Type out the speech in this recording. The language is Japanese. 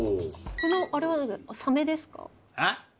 このあれはサメですか？